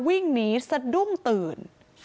วิ่งหนีสะดุ้งตื่น